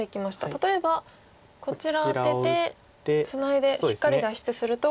例えばこちらアテてツナいでしっかり脱出すると？